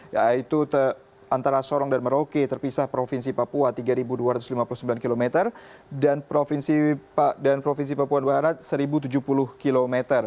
yaitu antara sorong dan merauke terpisah provinsi papua tiga dua ratus lima puluh sembilan km dan provinsi papua barat satu tujuh puluh km